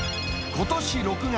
ことし６月、